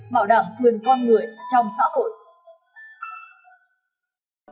bảo đảm quyền con người trong xã hội